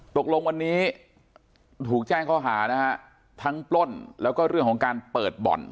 ตกลงวันนี้ถูกแจ้งข้อหานะฮะทั้งปล้นแล้วก็เรื่องของการเปิดบ่อน